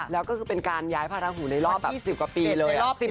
แล้วก็คือเป็นการย้ายพระราหูในรอบแบบ๑๐กว่าปีเลย